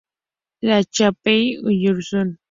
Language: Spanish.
La Chapelle-sur-Usson